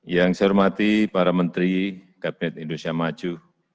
yang saya hormati para menteri kabinet indonesia maju